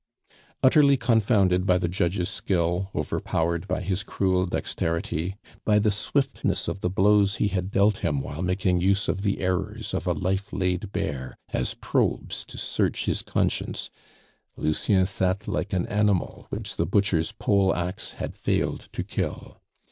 Utterly confounded by the judge's skill, overpowered by his cruel dexterity, by the swiftness of the blows he had dealt him while making use of the errors of a life laid bare as probes to search his conscience, Lucien sat like an animal which the butcher's pole axe had failed to kill.